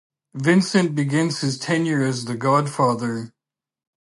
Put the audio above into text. Vincent begins his tenure as The Godfather.